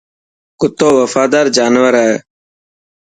ڪتو وفادار جانور هي.